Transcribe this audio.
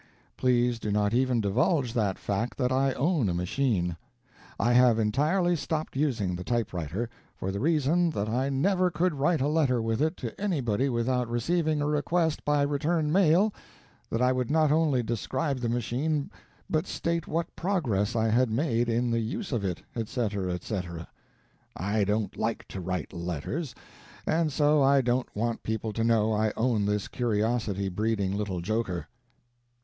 Please do not even divulge that fact that I own a machine. I have entirely stopped using the typewriter, for the reason that I never could write a letter with it to anybody without receiving a request by return mail that I would not only describe the machine, but state what progress I had made in the use of it, etc., etc. I don't like to write letters, and so I don't want people to know I own this curiosity breeding little joker."